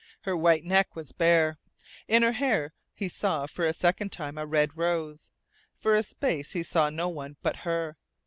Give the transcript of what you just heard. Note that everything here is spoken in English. Her white neck was bare. In her hair he saw for a second time a red rose. For a space he saw no one but her.